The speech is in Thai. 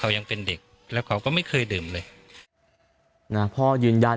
เขายังเป็นเด็กแล้วเขาก็ไม่เคยดื่มเลยนะพ่อยืนยัน